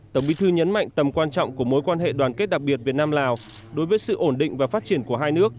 tổng bí thư nhấn mạnh tầm quan trọng của mối quan hệ đoàn kết đặc biệt việt nam lào đối với sự ổn định và phát triển của hai nước